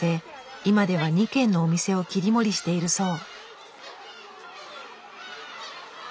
今では２軒のお店を切り盛りしているそう。